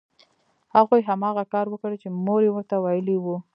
هغوی هماغه کار وکړ چې مور یې ورته ویلي وو